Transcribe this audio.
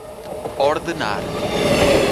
Ordenar!